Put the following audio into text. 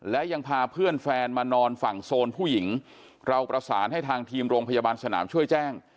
และยังพาเพื่อนแฟนมานอนฝั่งโซนผู้หญิงเราประสานให้ทางทีมโรงพยาบาลสนามช่วยแจ้ง